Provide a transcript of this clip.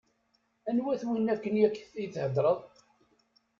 Anwa-t win akken i ak-d-iheddṛen?